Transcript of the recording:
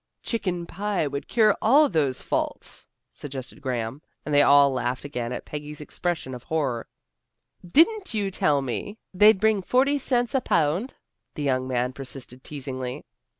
"Chicken pie would cure all those faults," suggested Graham, and they all laughed again at Peggy's expression of horror. "Didn't you tell me they'd bring forty cents a pound," the young man persisted, teasingly.